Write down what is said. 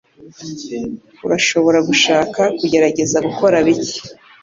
Urashobora gushaka kugerageza gukora bike.